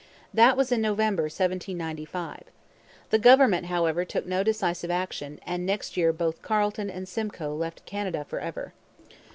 That was in November 1795. The government, however, took no decisive action, and next year both Carleton and Simcoe left Canada for ever.